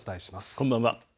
こんばんは。